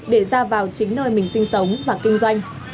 để ra vào chính nơi mình sinh sống và kinh doanh